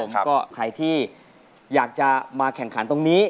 แล้วก็ใครที่อยากจะมาแข่งขันตรงนี้